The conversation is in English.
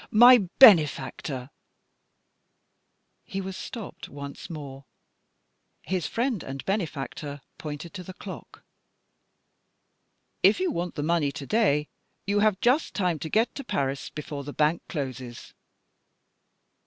my benefactor " He was stopped once more. His friend and benefactor pointed to the clock. "If you want the money to day, you have just time to get to Paris before the bank closes."